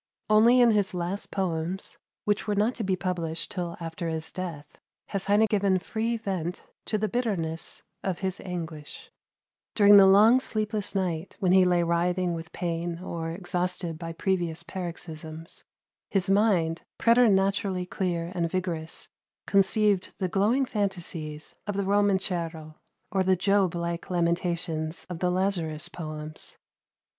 Only in his last poems, which were not to be published till after his death, has Heine given free vent to the bitterness of his anguish. During the long sleepless night when he lay writhing with pain or exhausted by previous paroxysms, his mind, preternaturally clear and vigorous, conceived the glowing fantasies of the Romancero, or the Job like lamentations of the Lazarus poems.